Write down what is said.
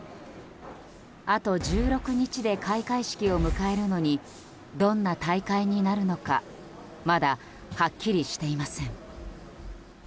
あと１６日で開会式を迎えるのにどんな大会になるのかまだはっきりしていません。